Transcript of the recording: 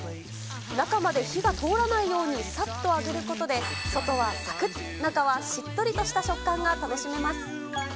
中まで火が通らないようにさっとあぶることで、外はさくっ、中はしっとりとした食感が楽しめます。